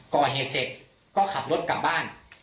ก่อเหตุเสร็จก็ขับรถกลับบ้าน